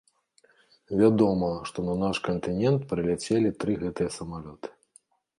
Вядома, што на наш кантынент прыляцелі тры гэтыя самалёты.